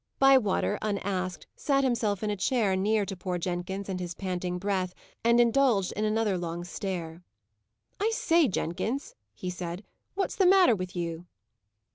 Bywater, unasked, sat himself in a chair near to poor Jenkins and his panting breath, and indulged in another long stare. "I say, Jenkins," said he, "what's the matter with you?"